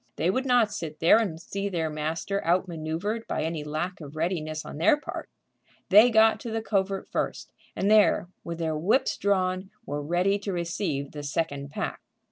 They would not sit there and see their master outmanoeuvred by any lack of readiness on their part. They got to the covert first, and there, with their whips drawn, were ready to receive the second pack.